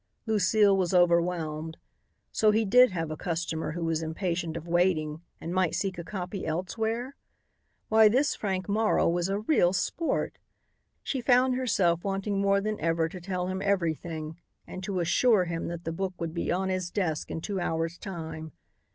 Lucile was overwhelmed. So he did have a customer who was impatient of waiting and might seek a copy elsewhere? Why, this Frank Morrow was a real sport! She found herself wanting more than ever to tell him everything and to assure him that the book would be on his desk in two hours' time.